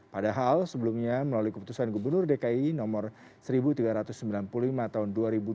padahal sebelumnya melalui keputusan gubernur dki nomor seribu tiga ratus sembilan puluh lima tahun dua ribu dua puluh